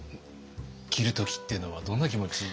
切る時っていうのはどんな気持ち？